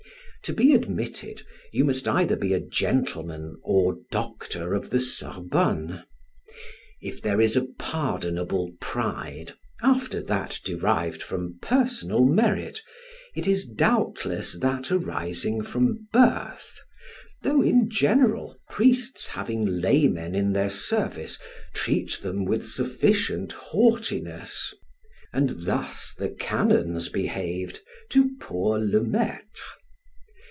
To be admitted, you must either be a gentleman or Doctor of Sorbonne. If there is a pardonable pride, after that derived from personal merit, it is doubtless that arising from birth, though, in general, priests having laymen in their service treat them with sufficient haughtiness, and thus the canons behaved to poor Le Maitre.